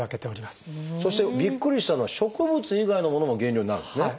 そしてびっくりしたのは植物以外のものも原料になるですね。